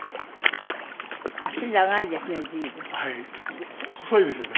脚長いですね